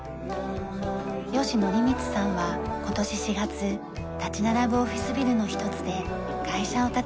吉紀三さんは今年４月立ち並ぶオフィスビルの一つで会社を立ち上げました。